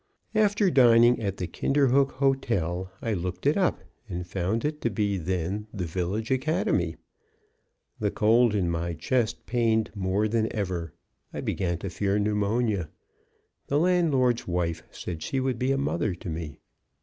After dining at the Kinderhook Hotel, I looked it up, and found it to be then the village academy. The cold in my chest pained more than ever; I began to fear pneumonia. The landlord's wife said she would be a mother to me.